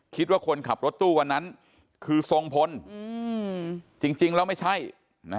คิดว่าคนขับรถตู้วันนั้นคือทรงพลจริงแล้วไม่ใช่